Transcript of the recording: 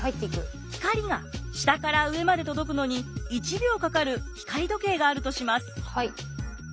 光が下から上まで届くのに１秒かかる光時計があるとします。